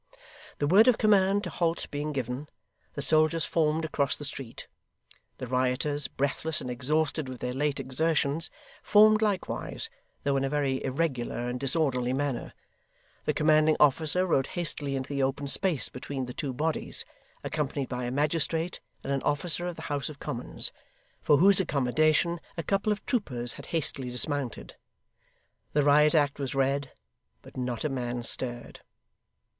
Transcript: The word of command to halt being given, the soldiers formed across the street; the rioters, breathless and exhausted with their late exertions, formed likewise, though in a very irregular and disorderly manner. The commanding officer rode hastily into the open space between the two bodies, accompanied by a magistrate and an officer of the House of Commons, for whose accommodation a couple of troopers had hastily dismounted. The Riot Act was read, but not a man stirred.